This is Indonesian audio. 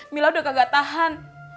mila udah kagak tahan